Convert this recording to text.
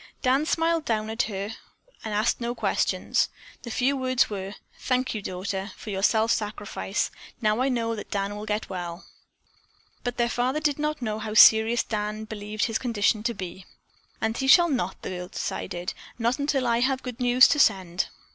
Dan smiled down at her and asked no questions. The few words were: "Thank you, daughter, for your self sacrifice. Now I know that Dan will get well." But their father did not know how serious Dan believed his condition to be. "And he shall not," the girl decided, "not until I have good news to send."